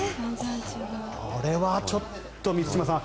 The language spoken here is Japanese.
これはちょっと満島さん